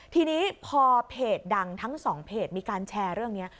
ทีนี้พอเพจดังทั้งสองเพจมีการแชร์เรื่องนี้